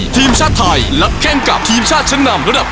ทีมชาติไทยรับแข้งกับทีมชาติชั้นนำระดับ